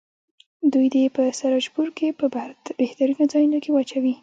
دوی دې په سراجپور کې په بهترینو ځایونو کې واچوي.